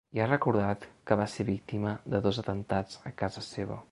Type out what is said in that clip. I ha recordat que va ser víctima de dos atemptats a casa seva.